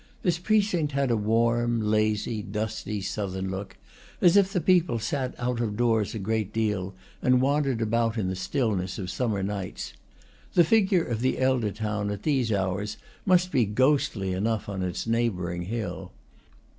This precinct had a warm, lazy, dusty, southern look, as if the people sat out of doors a great deal, and wandered about in the stillness of summer nights. The figure of the elder town, at these hours, must be ghostly enough on its neighboring hill.